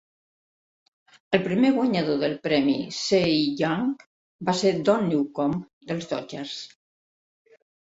El primer guanyador del premi Cy Young va ser Don Newcombe dels Dodgers.